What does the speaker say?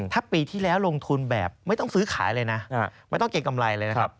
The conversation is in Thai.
ถ้าปีที่แล้วลงทุนแบบไม่ต้องซื้อขายเลยนะไม่ต้องเกรงกำไรเลยนะครับ